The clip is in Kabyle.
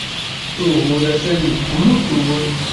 Ugur atan deg umutur.